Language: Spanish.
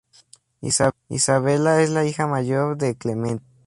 Isabela es la hija mayor de Clemente.